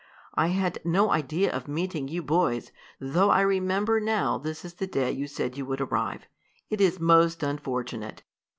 I had no idea of meeting you boys, though I remember now this is the day you said you would arrive. It is most unfortunate!